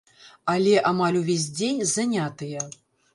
Але амаль увесь дзень занятыя.